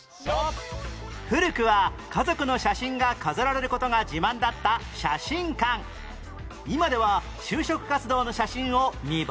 古くは家族の写真が飾られる事が自慢だった今では就職活動の写真を見栄え良く撮る人も